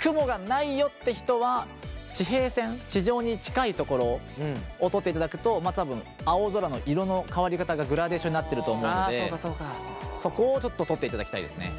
雲がないよって人は地平線地上に近い所を撮っていただくと多分青空の色の変わり方がグラデーションになってると思うのでそこをちょっと撮っていただきたいですね。